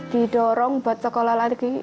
didorong buat sekolah lagi